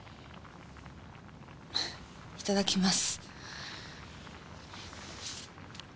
いただきます。